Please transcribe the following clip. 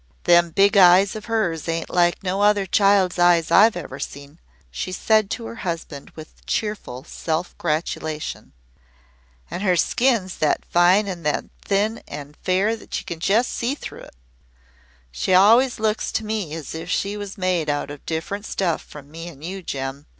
"Them big eyes of hers ain't like no other child's eyes I've ever seen," she said to her husband with cheerful self gratulation. "An' her skin's that fine an' thin an' fair you can jest see through it. She always looks to me as if she was made out of different stuff from me an' you, Jem.